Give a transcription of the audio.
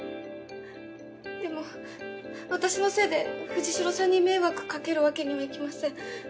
でも私のせいで藤代さんに迷惑かけるわけにはいきません。